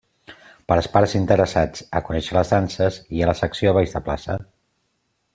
Per als pares interessats a conèixer les danses, hi ha la secció Balls de Plaça.